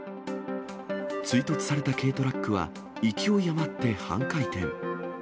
追突された軽トラックは、勢い余って半回転。